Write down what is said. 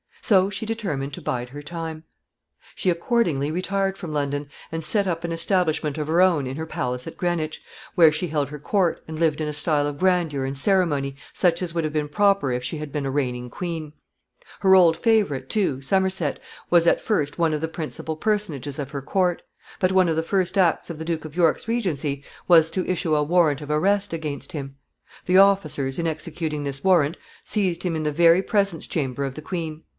So she determined to bide her time. [Sidenote: The queen's establishment at Greenwich.] She accordingly retired from London, and set up an establishment of her own in her palace at Greenwich, where she held her court, and lived in a style of grandeur and ceremony such as would have been proper if she had been a reigning queen. Her old favorite, too, Somerset, was at first one of the principal personages of her court; but one of the first acts of the Duke of York's regency was to issue a warrant of arrest against him. The officers, in executing this warrant, seized him in the very presence chamber of the queen.